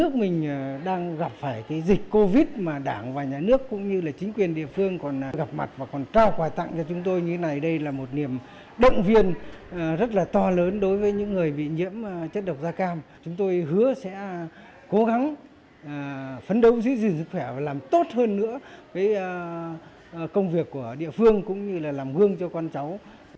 chúng tôi hứa sẽ cố gắng phấn đấu giữ gìn sức khỏe và làm tốt hơn nữa công việc của địa phương cũng như là làm gương cho con cháu